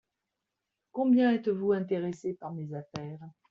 Combien êtes-vous intéressé par mes affaires ?